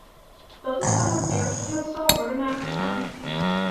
Dat is genoteerd en het zal worden nagegaan.